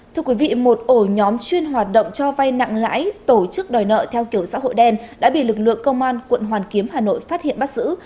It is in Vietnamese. thưa quý vị một ổ nhóm chuyên hoạt động cho vay nặng lãi tổ chức đòi nợ theo kiểu xã hội đen đã bị lực lượng công an quận hoàn kiếm hà nội phát hiện bắt giữ